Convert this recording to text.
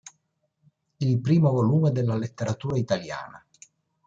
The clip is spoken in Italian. Il primo volume della "Letteratura Italiana.